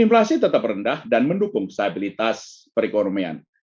inflasi tetap rendah dan mendukung stabilitas perekonomian